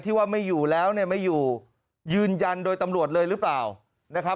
ที่ว่าไม่อยู่แล้วไม่อยู่ยืนยันโดยตำรวจเลยหรือเปล่า